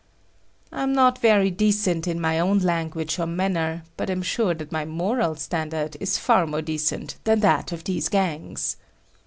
I am not very decent in my own language or manner, but am sure that my moral standard is far more decent than that of these gangs.